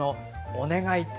お願い。